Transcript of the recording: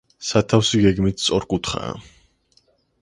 სათავსი გეგმით სწორკუთხაა.